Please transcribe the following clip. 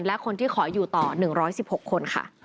และคนที่ขออยู่ต่อ๑๑๖คนค่ะ